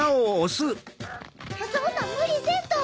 そんなむりせんと。